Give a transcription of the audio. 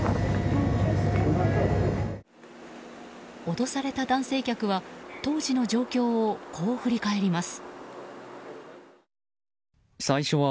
脅された男性客は当時の状況を、こう振り返ります。